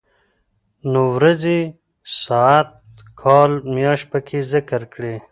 نو ورځې ،ساعت، کال ،مياشت پکې ذکر کړي.